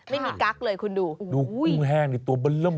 ไม่มีกั๊กเลยคุณดูโอ้โหดูกุ้งแห้งตัวเบิ้ลล่ม